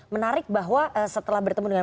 menarik bahwa setelah bertemu dengan